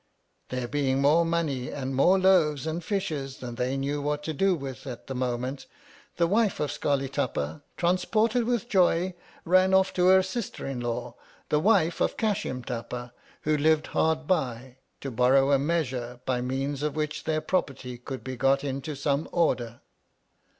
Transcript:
There being more money and more loaves and iishes than they knew what to do with at the moment, the wife of Scarli Tapa, trans ported with joy, ran off to her sister in law, the wife of Cashim Tapa, who lived hard by, to bor row a Measure by means of which their pro perty could be got into some order.